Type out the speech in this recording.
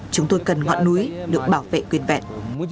chúng tôi cần ngọn núi được bảo vệ quyền vẹn